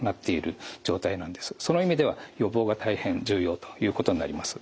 その意味では予防が大変重要ということになります。